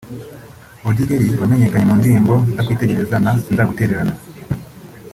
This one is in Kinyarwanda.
Auddy Kelly wamenyekanye mu ndirimbo Ndakwitegereza na Sinzagutererana